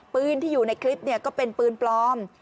ปืนที่อยู่ในคลิปก็เป็นปืนปลอม